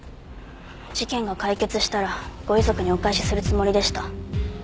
事件が解決したらご遺族にお返しするつもりでした。